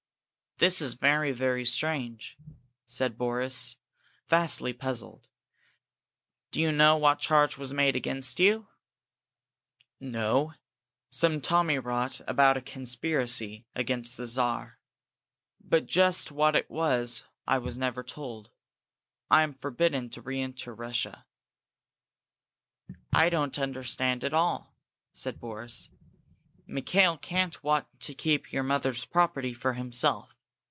"That is very, very strange," said Boris, vastly puzzled. "Do you know what charge was made against you?" "No! Some tommyrot about a conspiracy against the Czar. But just what it was I was never told. I am forbidden to re enter Russia." "I don't understand at all," said Boris. "Mikail can't want to keep your mother's property for himself.